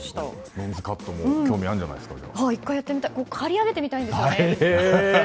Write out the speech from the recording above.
メンズカットも興味あるんじゃないんですか。